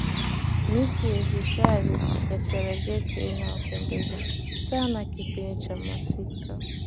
miti ya hifadhi ya serengeti inapendeza sana kipindi cha masika